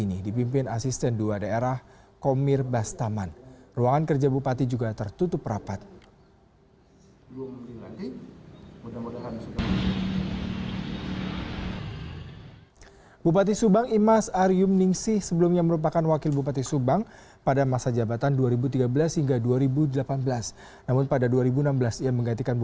imas akan memasuki masa cuti